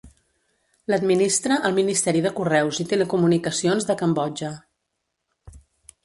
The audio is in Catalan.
L'administra el Ministeri de Correus i Telecomunicacions de Cambodja.